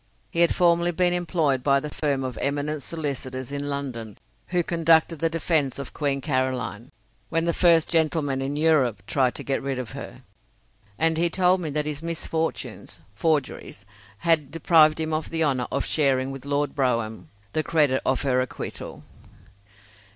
He had formerly been employed by the firm of eminent solicitors in London who conducted the defence of Queen Caroline, when the "first gentleman in Europe" tried to get rid of her, and he told me that his misfortunes (forgeries) had deprived him of the honour of sharing with Lord Brougham the credit of her acquittal.